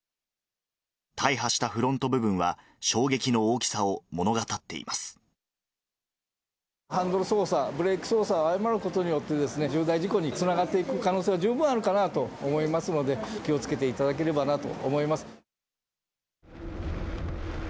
大破したフロント部分は、衝撃のハンドル操作、ブレーキ操作を誤ることによってですね、重大事故につながっていく可能性は十分あるかなと思いますので、気をつけていただければなと思います。